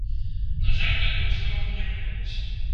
На жаль, такую стаўку не прымуць.